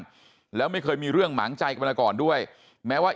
ตรงไหนบ้างแล้วไม่เคยมีเรื่องหมางใจกับละก่อนด้วยแม้ว่า